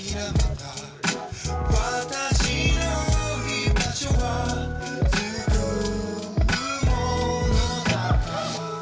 「私の居場所は作るものだった」